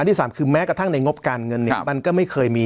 ที่สามคือแม้กระทั่งในงบการเงินเนี่ยมันก็ไม่เคยมี